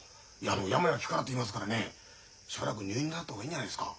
「病は気から」って言いますからねしばらく入院なさった方がいいんじゃないですか？